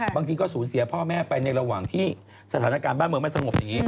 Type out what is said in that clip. บางทีก็สูญเสียพ่อแม่ไปในระหว่างที่สถานการณ์บ้านเมืองไม่สงบอย่างนี้